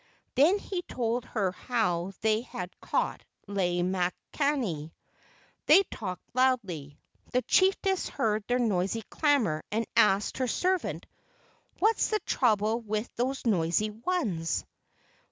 Then he told her how they had caught Lei makani. They talked loudly. This chiefess heard their noisy clamor and asked her servant, "What's the trouble with these noisy ones?"